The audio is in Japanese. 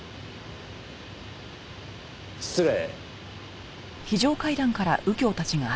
失礼。